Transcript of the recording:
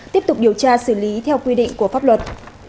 tiếp tục điều tra xử lý theo quy định của pháp luật